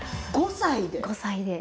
５歳で？